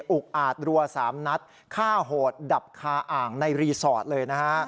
อุกอาจรัว๓นัดฆ่าโหดดับคาอ่างในรีสอร์ทเลยนะฮะ